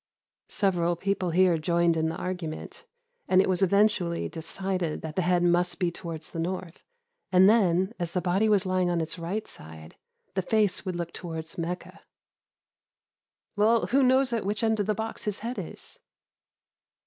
"Several people here joined in the argument, and it was eventually decided that the head must be towards the north; and then, as the body was lying on its right side, the face would look towards Mecca. "'Well, who knows at which end of the box his head is?